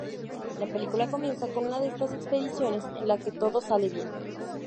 La película comienza con una de estas expediciones, en la que todo sale bien.